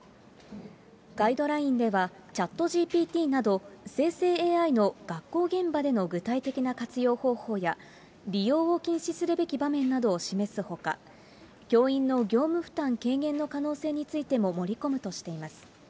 ガイドラインでは、チャットＧＰＴなど生成ＡＩの学校現場での具体的な活用方法や、利用を禁止するべき場面を示すほか、教員の業務負担軽減の可能性についても盛り込むとしています。